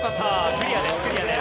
クリアです。